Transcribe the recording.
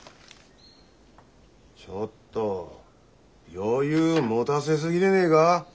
ちょっと余裕持だせすぎでねえが？